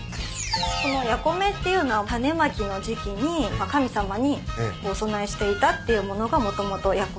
このやこめっていうのは種まきの時季に神様にお供えしていたっていう物がもともとやこめなんですけど。